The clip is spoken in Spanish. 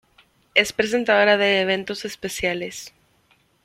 Es presentadora de eventos especiales.